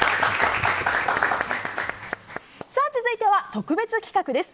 続いては、特別企画です。